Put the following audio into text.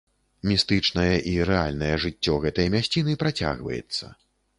Містычнае і рэальнае жыццё гэтай мясціны працягваецца.